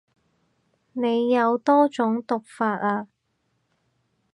你多種讀法啊